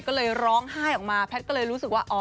ก็เลยร้องไห้ออกมาแพทย์ก็เลยรู้สึกว่า